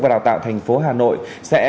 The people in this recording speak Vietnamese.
và đào tạo thành phố hà nội sẽ